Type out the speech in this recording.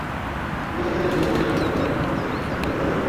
কিন্তু সেখানে গিয়ে তিনি ঘরের ধরনার সঙ্গে তাঁর ঝুলন্ত লাশ দেখতে পান।